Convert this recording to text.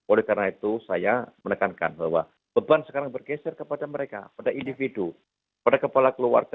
oleh karena itu saya menekankan bahwa beban sekarang bergeser kepada mereka pada individu pada kepala keluarga